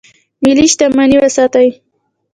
ملي شتمني وساتئ